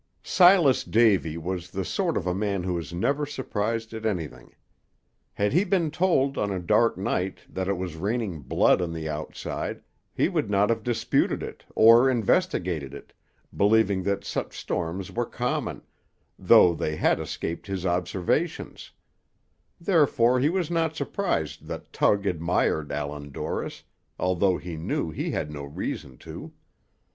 Silas Davy was the sort of a man who is never surprised at anything. Had he been told on a dark night that it was raining blood on the outside, he would not have disputed it, or investigated it, believing that such storms were common, though they had escaped his observation; therefore he was not surprised that Tug admired Allan Dorris, although he knew he had no reason to.